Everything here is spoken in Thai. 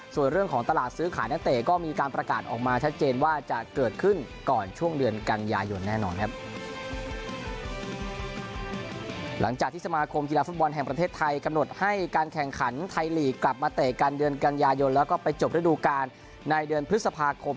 ส่วนเรื่องของตลาดซื้อขายนักเตะก็มีการประกาศออกมาชัดเจนว่าจะเกิดขึ้นก่อนช่วงเดือนกันยายนแน่นอนครับ